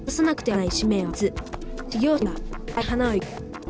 はい。